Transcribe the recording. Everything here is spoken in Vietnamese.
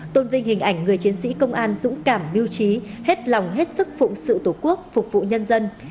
tôn vinh hình ảnh người chiến sĩ công an dũng cảm mưu trí hết lòng hết sức phụng sự tổ quốc phục vụ nhân dân